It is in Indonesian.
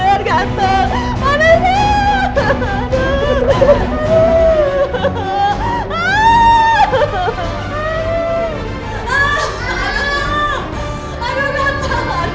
aduh ganteng aduh